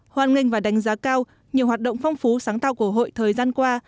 hoan nghênh và đánh giá cao nhiều hoạt động phong phú sáng tạo của hội thời gian qua